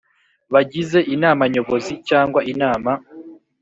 Bagize inama nyobozi cyangwa inama